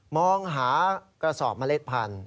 มองหากระสอบเมล็ดพันธุ